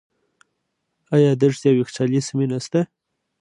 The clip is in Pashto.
آیا دښتې او یخچالي سیمې نشته؟